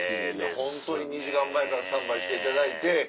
ホントに２時間前からスタンバイしていただいて。